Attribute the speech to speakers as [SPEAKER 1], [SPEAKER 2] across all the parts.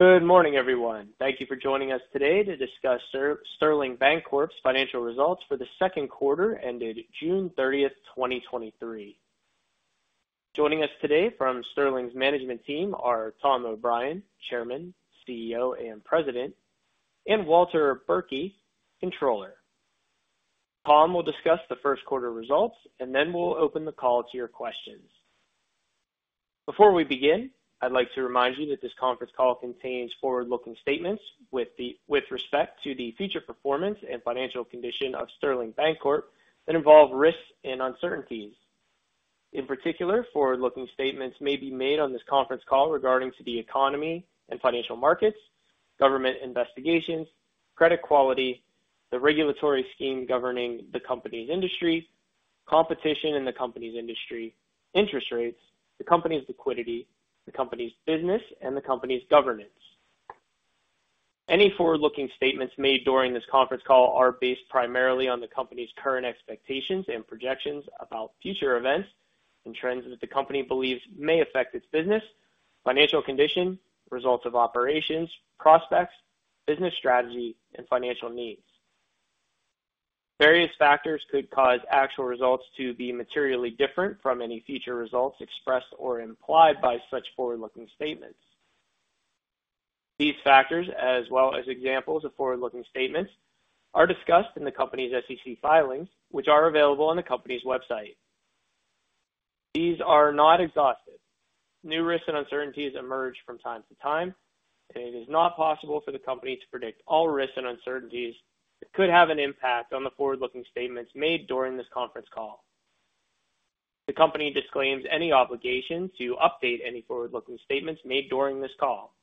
[SPEAKER 1] Good morning, everyone. Thank you for joining us today to discuss Sterling Bancorp's financial results for the second quarter ended June 30, 2023. Joining us today from Sterling's management team are Tom O'Brien, Chairman, CEO, and President, and Walter Bertke, Controller. Tom will discuss the first quarter results, and then we'll open the call to your questions. Before we begin, I'd like to remind you that this conference call contains forward-looking statements with respect to the future performance and financial condition of Sterling Bancorp that involve risks and uncertainties. In particular, forward-looking statements may be made on this conference call regarding to the economy and financial markets, government investigations, credit quality, the regulatory scheme governing the company's industry, competition in the company's industry, interest rates, the company's liquidity, the company's business, and the company's governance. Any forward-looking statements made during this conference call are based primarily on the company's current expectations and projections about future events and trends that the company believes may affect its business, financial condition, results of operations, prospects, business strategy, and financial needs. Various factors could cause actual results to be materially different from any future results expressed or implied by such forward-looking statements. These factors, as well as examples of forward-looking statements, are discussed in the company's SEC filings, which are available on the company's website. These are not exhaustive. New risks and uncertainties emerge from time to time, and it is not possible for the company to predict all risks and uncertainties that could have an impact on the forward-looking statements made during this conference call. The company disclaims any obligation to update any forward-looking statements made during this call.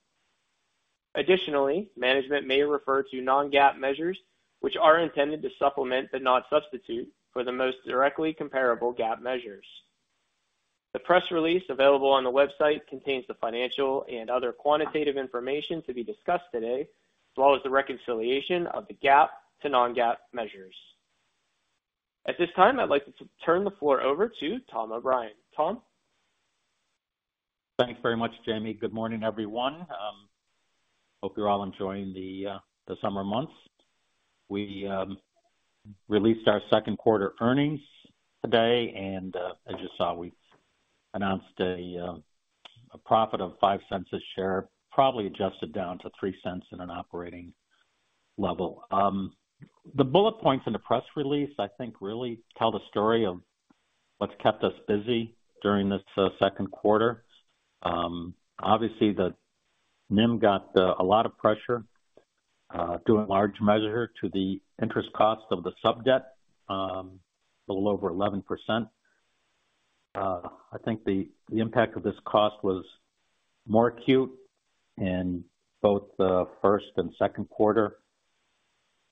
[SPEAKER 1] Additionally, management may refer to non-GAAP measures, which are intended to supplement, but not substitute, for the most directly comparable GAAP measures. The press release available on the website contains the financial and other quantitative information to be discussed today, as well as the reconciliation of the GAAP to non-GAAP measures. At this time, I'd like to turn the floor over to Tom O'Brien. Tom?
[SPEAKER 2] Thanks very much, Jamie. Good morning, everyone. Hope you're all enjoying the summer months. We released our second quarter earnings today, as you saw, we announced a profit of $0.05 a share, probably adjusted down to $0.03 in an operating level. The bullet points in the press release, I think, really tell the story of what's kept us busy during this second quarter. Obviously, the NIM got a lot of pressure, due in large measure to the interest cost of the sub debt, a little over 11%. I think the impact of this cost was more acute in both the first and second quarter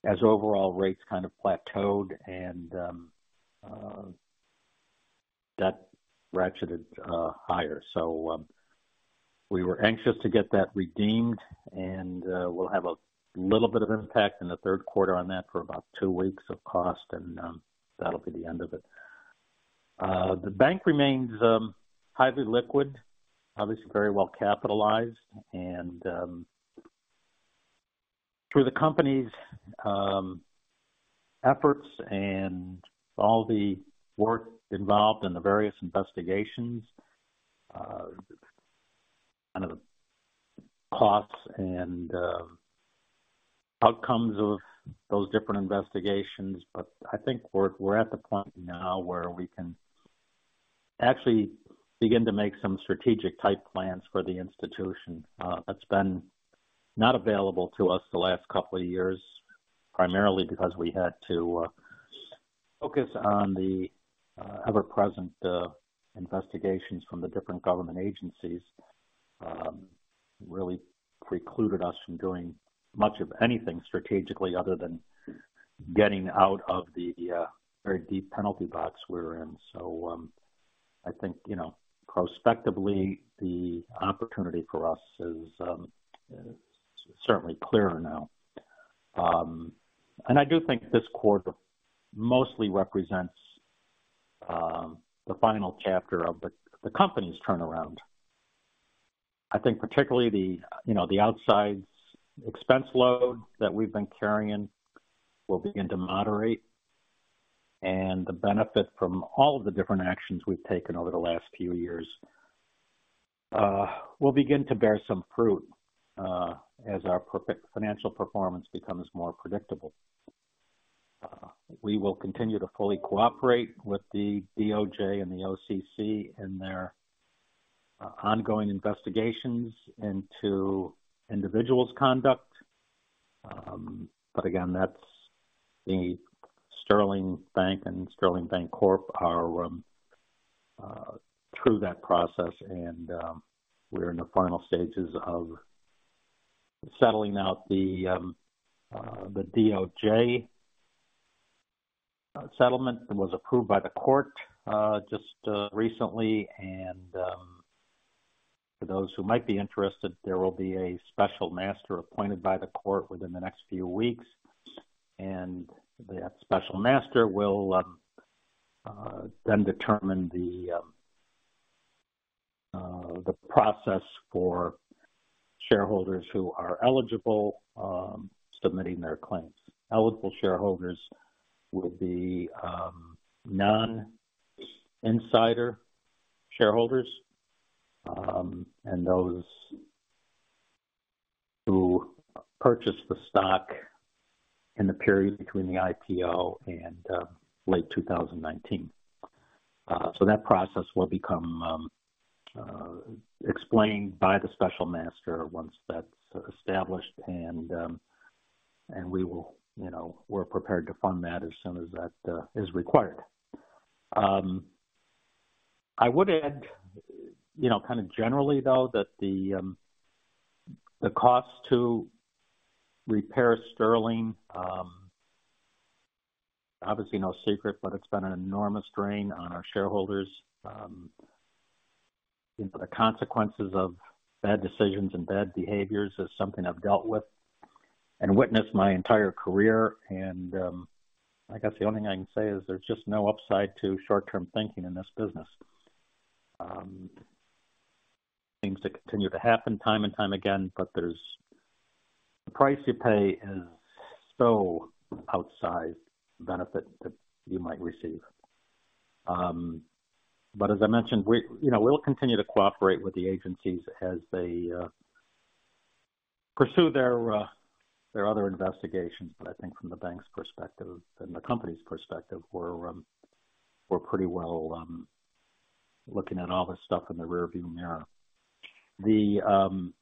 [SPEAKER 2] as overall rates kind of plateaued and debt ratcheted higher. We were anxious to get that redeemed and we'll have a little bit of impact in the third quarter on that for about two weeks of cost, and that'll be the end of it. The bank remains highly liquid, obviously very well capitalized. Through the company's efforts and all the work involved in the various investigations, kind of the costs and outcomes of those different investigations. I think we're at the point now where we can actually begin to make some strategic-type plans for the institution. That's been not available to us the last couple of years, primarily because we had to focus on the ever-present investigations from the different government agencies. Really precluded us from doing much of anything strategically other than getting out of the very deep penalty box we were in. I think, you know, prospectively, the opportunity for us is certainly clearer now. I do think this quarter mostly represents the final chapter of the company's turnaround. I think particularly the, you know, the outside expense load that we've been carrying will begin to moderate, and the benefit from all of the different actions we've taken over the last few years will begin to bear some fruit as our financial performance becomes more predictable. We will continue to fully cooperate with the DOJ and the OCC in their ongoing investigations into individuals' conduct. Again, that's the Sterling Bank and Sterling Bancorp are through that process, and we're in the final stages of settling out the DOJ settlement that was approved by the court just recently. For those who might be interested, there will be a special master appointed by the court within the next few weeks, and that special master will then determine the process for shareholders who are eligible submitting their claims. Eligible shareholders would be non-insider shareholders, and those who purchased the stock in the period between the IPO and late 2019. That process will become explained by the special master once that's established. we will, you know, we're prepared to fund that as soon as that is required. I would add, you know, kind of generally, though, that the cost to repair Sterling, obviously no secret, but it's been an enormous drain on our shareholders. The consequences of bad decisions and bad behaviors is something I've dealt with and witnessed my entire career. I guess the only thing I can say is there's just no upside to short-term thinking in this business. Things that continue to happen time and time again, but the price you pay is so outside the benefit that you might receive. but as I mentioned, we, you know, we'll continue to cooperate with the agencies as they pursue their other investigations. I think from the bank's perspective and the company's perspective, we're pretty well looking at all this stuff in the rearview mirror. The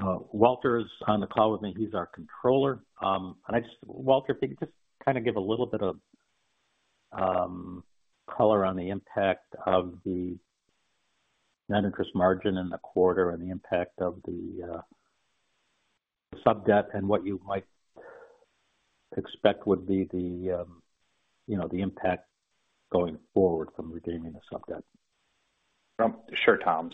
[SPEAKER 2] Walter is on the call with me. He's our controller. I just Walter, if you could just kind of give a little bit of color on the impact of the net interest margin in the quarter and the impact of the sub debt, and what you might expect would be the, you know, the impact going forward from redeeming the sub debt.
[SPEAKER 3] Sure, Tom.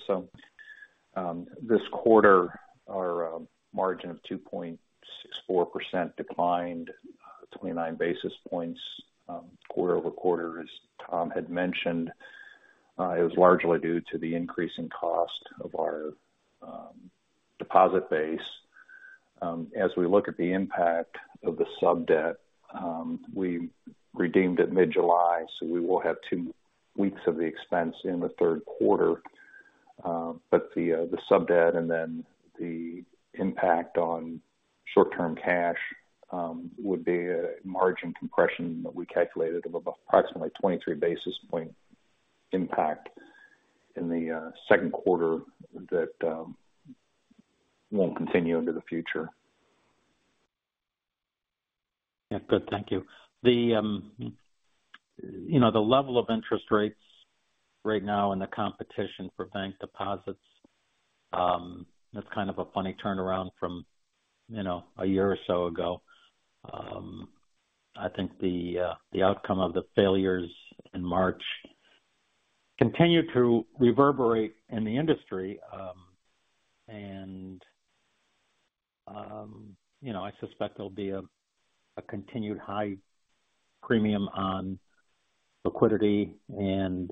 [SPEAKER 3] This quarter, our margin of 2.64% declined 29 basis points quarter-over-quarter, as Tom had mentioned. It was largely due to the increasing cost of our deposit base. As we look at the impact of the sub debt, we redeemed it mid-July. We will have 2 weeks of the expense in the third quarter. The sub debt and then the impact on short-term cash would be a margin compression that we calculated of approximately 23 basis point impact in the second quarter that won't continue into the future.
[SPEAKER 2] Yeah. Good, thank you. The, you know, the level of interest rates right now and the competition for bank deposits, that's kind of a funny turnaround from, you know, a year or so ago. I think the outcome of the failures in March continue to reverberate in the industry. You know, I suspect there'll be a continued high premium on liquidity and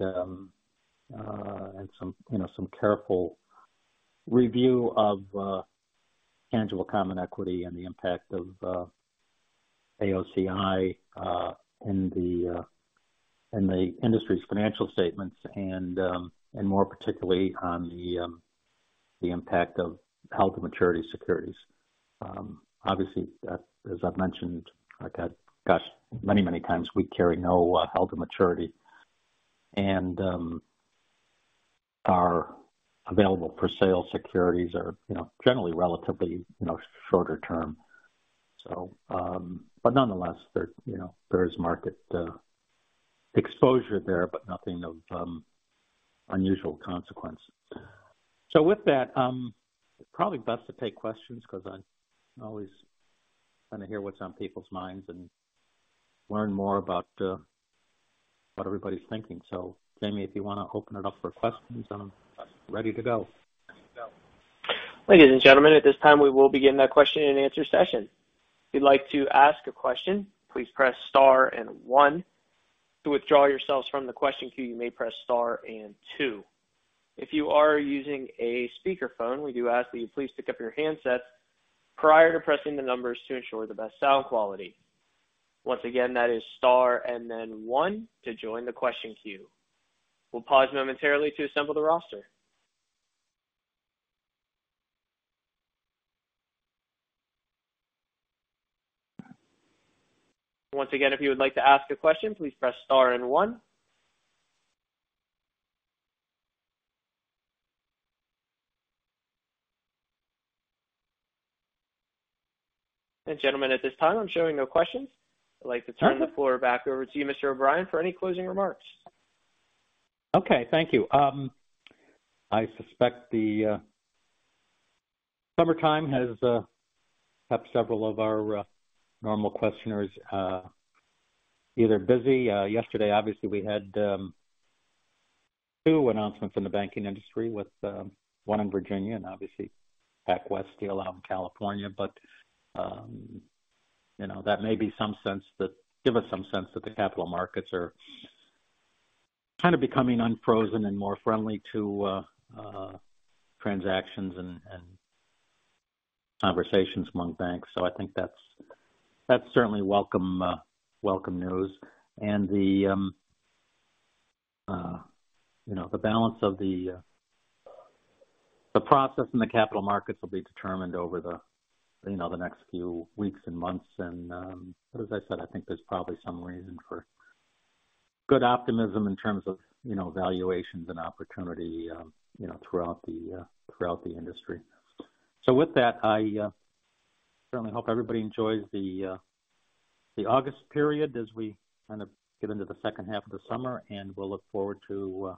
[SPEAKER 2] some, you know, some careful review of tangible common equity and the impact of AOCI in the industry's financial statements and more particularly on the impact of held-to-maturity securities. Obviously, as I've mentioned, like, many times, we carry no held-to-maturity. Our available-for-sale securities are, you know, generally relatively, you know, shorter term. Nonetheless, there, you know, there is market exposure there, but nothing of unusual consequence. With that, probably best to take questions because I always kind of hear what's on people's minds and learn more about what everybody's thinking. Jamie, if you want to open it up for questions, I'm ready to go.
[SPEAKER 1] Ladies and gentlemen, at this time, we will begin the question-and-answer session. If you'd like to ask a question, please press star and one. To withdraw yourselves from the question queue, you may press star and two. If you are using a speakerphone, we do ask that you please pick up your handsets prior to pressing the numbers to ensure the best sound quality. Once again, that is star and then one to join the question queue. We'll pause momentarily to assemble the roster. Once again, if you would like to ask a question, please press star and one. Gentlemen, at this time, I'm showing no questions. I'd like to turn the floor back over to you, Mr. O'Brien, for any closing remarks.
[SPEAKER 2] Okay. Thank you. I suspect the summertime has kept several of our normal questioners either busy. Yesterday, obviously, we had two announcements in the banking industry with one in Virginia and obviously PacWest deal out in California. You know, that may be some sense that give us some sense that the capital markets are kind of becoming unfrozen and more friendly to transactions and conversations among banks. I think that's certainly welcome news. The, you know, the balance of the process in the capital markets will be determined over the, you know, the next few weeks and months. As I said, I think there's probably some reason for good optimism in terms of, you know, valuations and opportunity, you know, throughout the industry. With that, I certainly hope everybody enjoys the August period as we kind of get into the second half of the summer, and we'll look forward to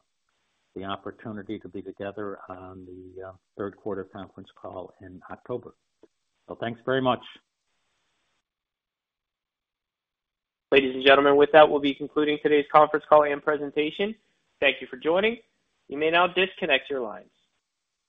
[SPEAKER 2] the opportunity to be together on the third quarter conference call in October. Thanks very much.
[SPEAKER 1] Ladies and gentlemen, with that, we'll be concluding today's conference call and presentation. Thank you for joining. You may now disconnect your lines.